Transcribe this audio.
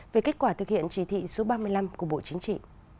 về kết quả thực hiện chỉ thị số ba mươi năm của bộ chính trị